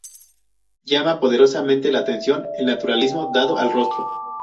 Llama poderosamente la atención el naturalismo dado al rostro.